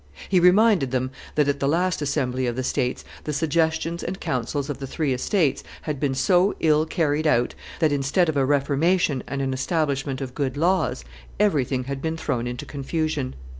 He reminded them that at the last assembly of the states the suggestions and counsels of the three estates had been so ill carried out that, instead of a reformation and an establishment of good laws, everything had been thrown into confusion.